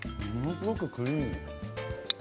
すごくクリーミー。